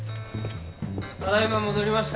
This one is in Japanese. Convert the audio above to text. ただ今戻りました。